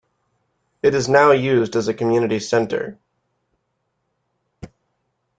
It is now used as a community center.